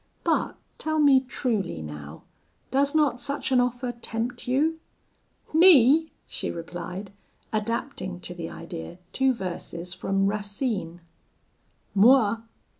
But tell me truly, now, does not such an offer tempt you?' 'Me!' she replied, adapting to the idea two verses from Racine Moi!